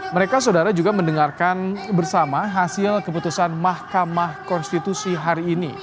mereka saudara juga mendengarkan bersama hasil keputusan mahkamah konstitusi hari ini